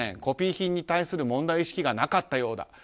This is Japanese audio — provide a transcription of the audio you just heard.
コピー品に対する問題意識がなかったようだ。